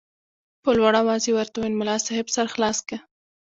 په لوړ اواز یې ورته وویل ملا صاحب سر خلاص که.